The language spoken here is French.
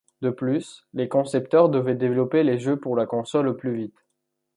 De plus, les concepteurs devaient développer les jeux pour la console au plus vite.